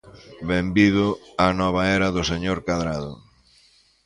Benvido á nova era do señor Cadrado.